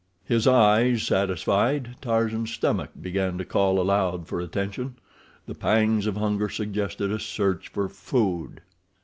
His eyes satisfied, Tarzan's stomach began to call aloud for attention—the pangs of hunger suggested a search for food.